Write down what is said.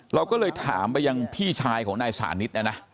เราก็เลยถามไปยังพี่ชายของส่านิตเนี่ยนะ